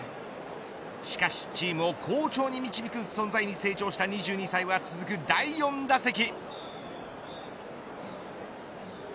しかしチームを好調に導く存在に成長した２２歳は、続く第４打席。